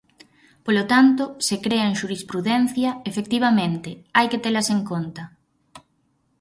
Polo tanto, se crean xurisprudencia, efectivamente, hai que telas en conta.